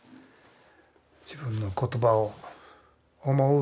自分の言葉を思う